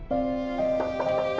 aku mau pergi